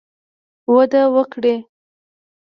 وده وکړي